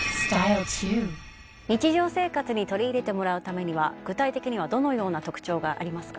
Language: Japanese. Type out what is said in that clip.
日常生活に取り入れてもらうためには具体的にはどのような特徴がありますか？